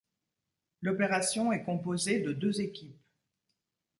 L'opération est composée de deux équipes.